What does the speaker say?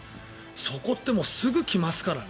そこってもうすぐ来ますからね。